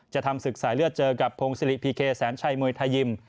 ทำศึกสายเลือดเจอกับพงศิริพีเคแสนชัยมวยไทยยิม